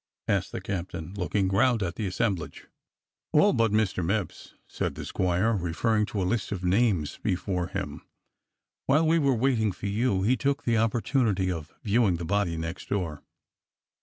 asked the captain, looking round at the assemblage. A11 but Mr. Mipps," said the squire, referring to a list of names before him. "While we were waiting for you, he took the opportunity of viewing the body next door."